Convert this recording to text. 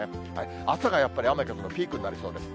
朝がやっぱり雨風のピークになりそうです。